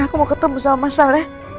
aku mau ketemu sama mas saleh